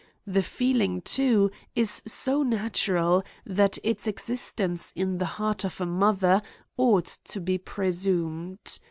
This feeling, too, is so natu ral, that its existence in the heart of a mother ought to be presumed.